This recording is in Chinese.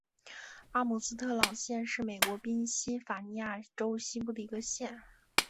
阿姆斯特朗县是美国宾夕法尼亚州西部的一个县。